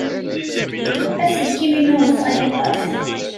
Aselkim-inu ẓẓay aṭas.